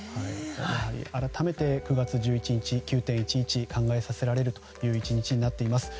改めて９月１１日９・１１を考えさせられる１日になっています。